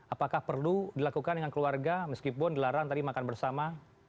apakah perlu dilakukan dengan keluarga meskipun dilarang tadi makan bersama